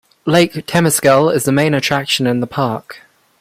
Lake Temescal is the main attraction in the park.